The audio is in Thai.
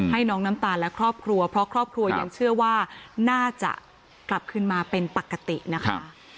ให้น้องน้ำตาลและครอบครัวเพราะครอบครัวยังเชื่อว่าน่าจะกลับขึ้นมาเป็นปกตินะคะ